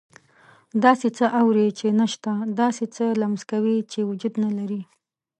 داسې څه اوري چې نه شته، داسې څه لمس کوي چې وجود نه لري.